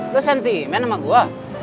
lu sentimen sama gua